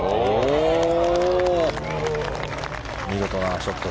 見事なショット。